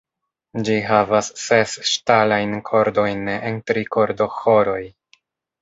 Ĝi havas ses ŝtalajn kordojn en tri kordoĥoroj.